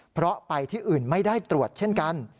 เพราะไปที่อื่นไม่ได้ตรวจเช่นกัน